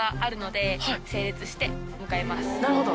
なるほど。